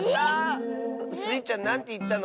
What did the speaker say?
⁉スイちゃんなんていったの？